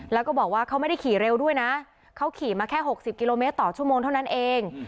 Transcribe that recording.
แล้วก็บอกว่าเขาไม่ได้ขี่เร็วด้วยนะเขาขี่มาแค่๖๐กิโลเมตรต่อชั่วโมงเท่านั้นเอง